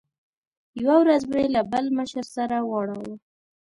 یوه ورځ مې له بل مشر سره واړاوه.